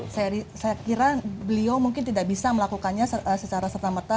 saya kira beliau mungkin tidak bisa melakukannya secara serta merta